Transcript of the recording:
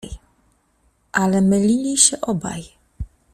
Ale mylili się obaj.